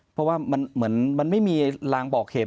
เพราะว่ามันเหมือนมันไม่มีรางบอกเหตุ